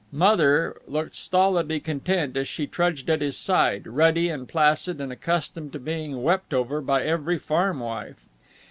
Mother looked stolidly content as she trudged at his side, ruddy and placid and accustomed to being wept over by every farm wife.